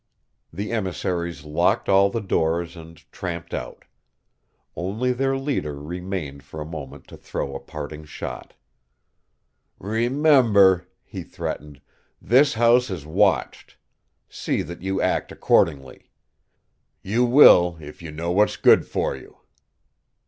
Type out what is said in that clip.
The emissaries locked all the doors and tramped out. Only their leader remained for a moment to throw a parting shot. "Remember," he threatened, "this house is watched. See that you act accordingly. You will, if you know what's good for you."